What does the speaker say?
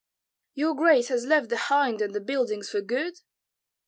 '" "Your grace has left the hind and the buildings for good?"